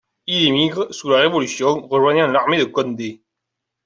Il émigre sous la Révolution, rejoignant l'armée de Condé.